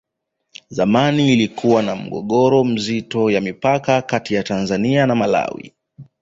zamani lilikuwa na mgogoro mzito ya mipaka Kati ya tanzania na malawi